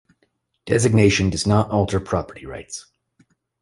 Designation does not alter property rights.